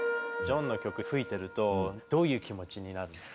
ジョンの曲吹いてるとどういう気持ちになるの？